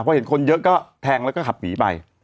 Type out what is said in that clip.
พอเห็นคนเยอะก็แทงแล้วก็ขับหนีไป